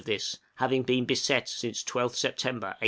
of this, having been beset since 12th September, 1846.